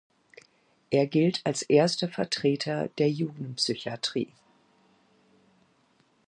Er gilt als erster Vertreter der Jugendpsychiatrie.